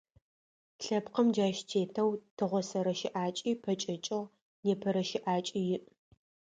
Лъэпкъым джащ тетэу тыгъосэрэ щыӏакӏи пэкӏэкӏыгъ, непэрэ щыӏакӏи иӏ.